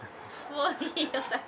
もういいよ。